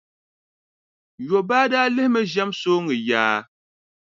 Yobaa daa lihimi ʒɛm sooŋa yaa.